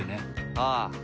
ああ。